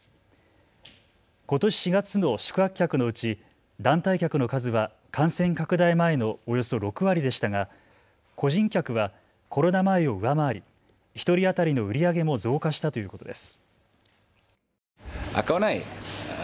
ことし４月の宿泊客のうち団体客の数は感染拡大前のおよそ６割でしたが個人客はコロナ前を上回り１人当たりの売り上げも増加したということです。